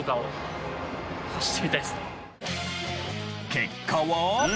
結果は。